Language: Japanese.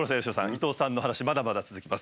伊東さんの話まだまだ続きます。